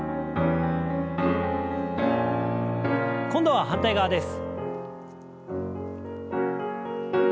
今度は反対側です。